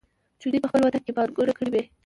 چې دوي په خپل وطن کې پانګونه کړى وى.